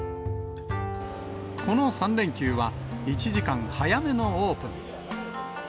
この３連休は１時間早めのオープン。